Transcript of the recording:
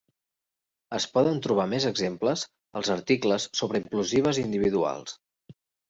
Es poden trobar més exemples als articles sobre implosives individuals.